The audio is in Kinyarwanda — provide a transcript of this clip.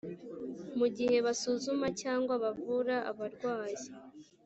mu gihe basuzuma cyangwa bavura abarwayi